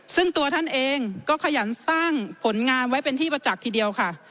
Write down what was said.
ซึ่งตัวท่านเองก็ขยันสร้างผลงานไว้เป็นที่ประจักษ์ทีเดียวค่ะ